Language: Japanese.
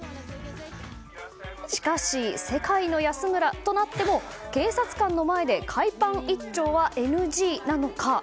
しかし、世界の安村となっても警察官の前で海パン一丁はＮＧなのか。